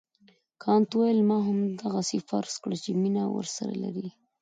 کانت وویل ما هم همداسې فرض کړه چې مینه ورسره لرې.